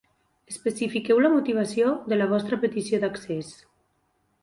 Especifiqueu la motivació de la vostra petició d'accés.